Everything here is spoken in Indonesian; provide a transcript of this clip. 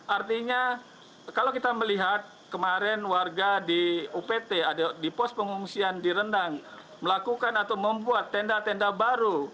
artinya kalau kita melihat kemarin warga di upt di pos pengungsian di rendang melakukan atau membuat tenda tenda baru